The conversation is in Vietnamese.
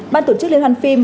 ban tổ chức lên hoan phim